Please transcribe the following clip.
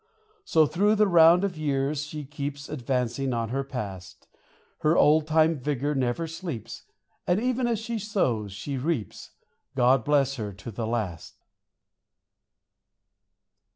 So, through the round of years, she keeps, Advancing on her past : Her old time vigor never sleeps, ŌĆö And even as she sows, she reaps ; God bless her to the last